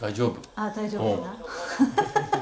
ああ、大丈夫な。